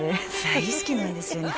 大好きなんですよね